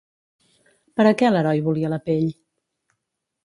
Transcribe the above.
Per a què l'heroi volia la pell?